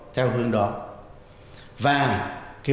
theo hướng kiến tạo liêm chính và hành động